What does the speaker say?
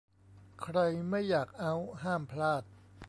ใครไม่อยากเอาต์ห้ามพลาด